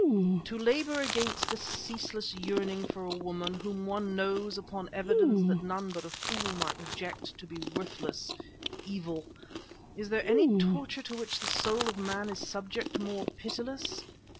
To labor against a ceaseless yearning for a woman whom one knows, upon evidence that none but a fool might reject, to be worthless evil; is there any torture to which the soul of man is subject, more pitiless?